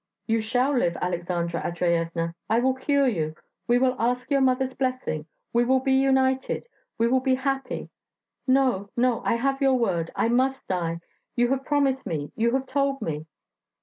... 'You shall live, Aleksandra Andreyevna; I will cure you; we will ask your mother's blessing ... we will be united we will be happy.' 'No, no, I have your word; I must die ... you have promised me ... you have told me.'